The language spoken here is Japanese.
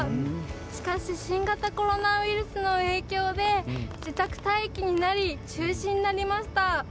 しかし新型コロナウイルスの影響で自宅待機になり中止になりました。